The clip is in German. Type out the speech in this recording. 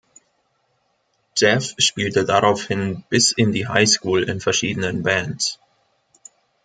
Jeff spielte daraufhin bis in die High School in verschiedenen Bands.